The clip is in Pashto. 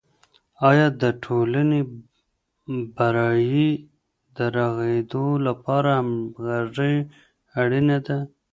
آیا د ټولني برایې د رغیدو لپاره همغږي اړینه ده؟